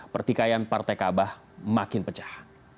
pertikaian partai kaabah makin pecah